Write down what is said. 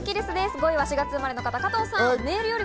５位は４月生まれの方、加藤さん。